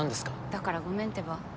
だからごめんってば。